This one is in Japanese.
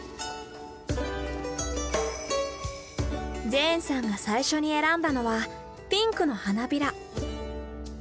ジェーンさんが最初に選んだのはピンクの花びら。